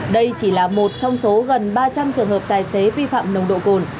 đây chỉ là một trong số gần ba trăm linh trường hợp tài xế vi phạm nồng độ cồn